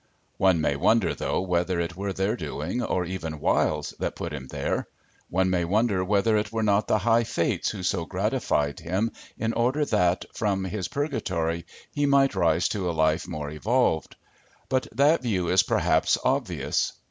One may wonder though whether it were their doing, or even Wilde's, that put him there. One may wonder whether it were not the high fates who so gratified him in order that, from his purgatory, he might rise to a life more evolved. But that view is perhaps obvious.